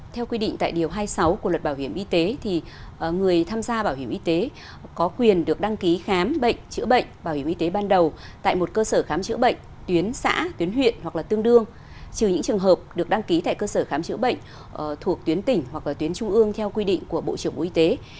theo quy định tại điều hai mươi sáu của luật bảo hiểm y tế thì người tham gia bảo hiểm y tế có quyền được đăng ký khám bệnh chữa bệnh bảo hiểm y tế ban đầu tại một cơ sở khám chữa bệnh tuyến xã tuyến huyện hoặc là tương đương trừ những trường hợp được đăng ký tại cơ sở khám chữa bệnh thuộc tuyến tỉnh hoặc là tuyến trung ương theo quy định của bộ trưởng bộ y tế